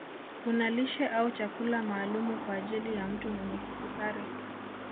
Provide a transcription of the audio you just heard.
Kuna lishe au chakula maalumu kwa ajili ya mtu mwenye kisukari